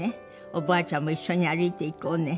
「おばあちゃんといっしょに歩いて行こうね」